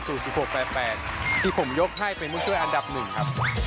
สูตร๑๖๘๘ที่ผมยกให้เป็นมุ่งช่วยอันดับหนึ่งครับ